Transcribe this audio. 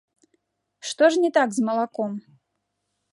Што ж не так з малаком?